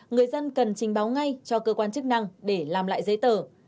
người dân cần trình báo ngay cho cơ quan chức năng để làm lại giấy tờ